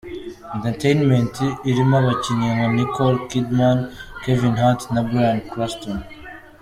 Entertainment, irimo abakinnyi nka Nicole Kidman, Kevin Hart na Bryan Cranston.